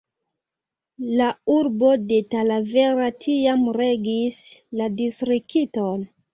La urbo de Talavera tiam regis la distrikton.